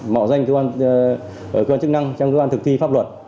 mạo danh cơ quan chức năng trong cơ quan thực thi pháp luật